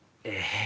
え。